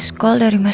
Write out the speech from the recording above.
selamat tidur guys